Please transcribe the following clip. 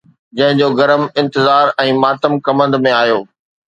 جنهن جو گرم انتظار ۽ ماتم ڪمند ۾ آيو